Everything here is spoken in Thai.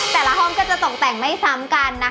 แต่ละห้องก็จะตกแต่งไม่ซ้ำกันนะคะ